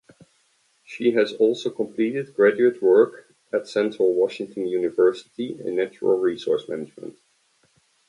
She has also completed graduate work at Central Washington University in natural resource management.